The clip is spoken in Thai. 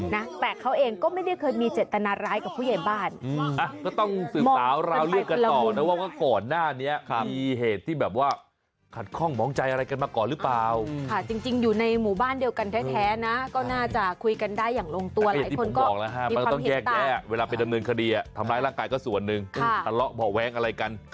แต่เขาเองก็ไม่ได้เคยมีเจตนาร้ายกับผู้ใหญ่บ้าน